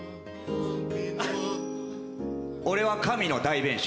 俺は神の代弁者。